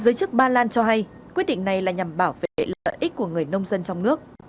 giới chức ba lan cho hay quyết định này là nhằm bảo vệ lợi ích của người nông dân trong nước